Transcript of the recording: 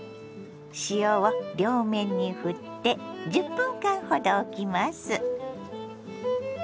塩を両面にふって１０分間ほどおきます。